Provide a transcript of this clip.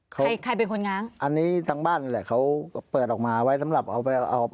ใครใครเป็นคนง้างอันนี้ทางบ้านนี่แหละเขาเปิดออกมาไว้สำหรับเอาไปเอา